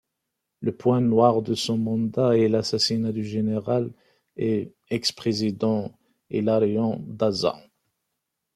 Le point noir de son mandat est l'assassinat du général et ex-président Hilarión Daza.